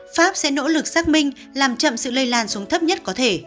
pháp sẽ nỗ lực xác minh làm chậm sự lây lan xuống thấp nhất có thể